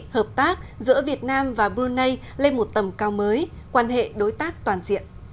hợp tác giữa việt nam và brunei lên một tầm cao mới quan hệ đối tác toàn diện